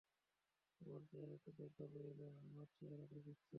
তোমার চেহারা তো দেখাবেই না, আমার চেহারা দেখাচ্ছে।